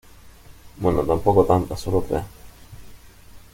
bueno, tampoco tantas, solo tres.